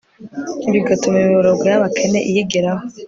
bigatuma imiborogo y'abakene iyigeraho